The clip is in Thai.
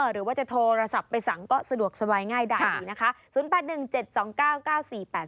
หรือว่าจะโทรศัพท์ไปสั่งก็สะดวกสบายง่ายดายดีนะคะ